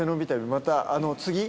また次。